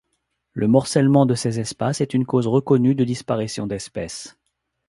Le morcellement de ces espaces est une cause reconnue de disparition d'espèces.